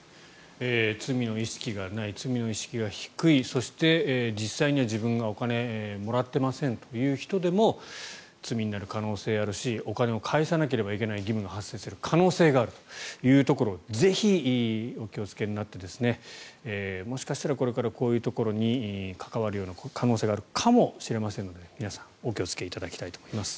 罪の意識がない罪の意識が低いそして実際には自分はお金をもらっていない人でも罪になる可能性があるしお金を返さなきゃいけない義務が発生する可能性があるというところをぜひお気をつけになってもしかしたら、これからこういうところに関わる可能性があるかもしれませんので皆さんお気をつけいただきたいと思います。